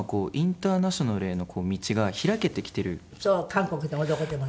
韓国でもどこでも。